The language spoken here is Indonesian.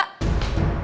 baka berjanjah aja